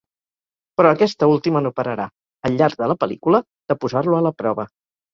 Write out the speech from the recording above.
Però aquesta última no pararà, al llarg de la pel·lícula, de posar-lo a la prova.